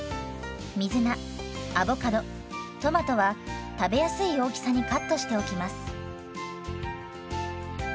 水菜アボカドトマトは食べやすい大きさにカットしておきます。